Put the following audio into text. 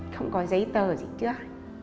không có giấy tờ gì trước